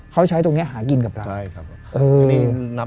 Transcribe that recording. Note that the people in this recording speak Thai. เขาจะใช้ตรงนี้หากินกับเรา